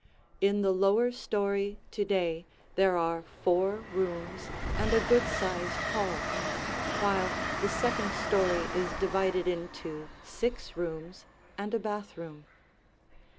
In the lower story to day there are four rooms and a good sized hall, while the second story is divided into six rooms and a bathroom.